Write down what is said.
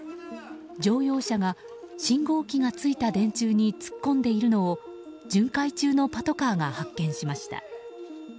乗用車が信号機がついた電柱に突っ込んでいるのを巡回中のパトカーが発見しました。